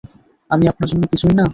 আমি আপনার জন্য কিছুই না?